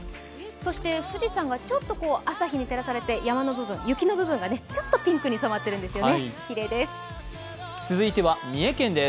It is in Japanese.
そして富士山がちょっと朝日に照らされて雪の部分がちょっとピンクに染まっているんですよね、きれいです。